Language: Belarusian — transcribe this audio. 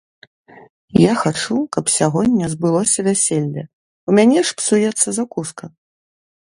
Я хачу, каб сягоння збылося вяселле, у мяне ж псуецца закуска.